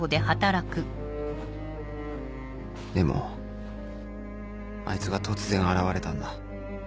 でもあいつが突然現れたんだ。